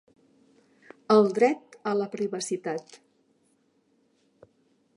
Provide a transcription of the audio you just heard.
El dret a la privacitat.